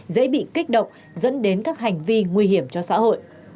dễ bị kích động dẫn đến các hành vi nguy hiểm cho xã hội